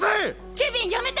ケビンやめて！